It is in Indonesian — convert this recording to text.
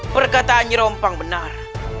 perkataan nyirompang benar